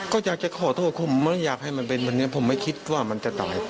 ก็อยากจะขอโทษผมมันไม่คิดว่ามันจะตาย